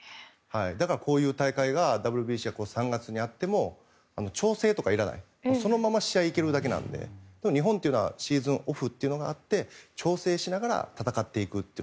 だからこういう大会がＷＢＣが３月にあっても調整とかいらないそのままいけるだけなので日本というのはシーズンオフがあって調整しながら戦っていくという